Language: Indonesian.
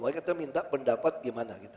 kita minta pendapat gimana